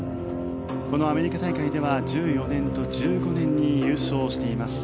このアメリカ大会では２０１４年と２０１５年に優勝しています。